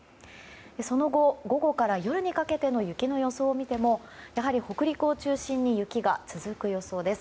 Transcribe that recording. その後、午後から夜にかけての雪の予想を見てもやはり北陸を中心に雪が続く予想です。